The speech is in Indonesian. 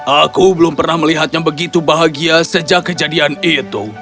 aku belum pernah melihatnya begitu bahagia sejak kejadian itu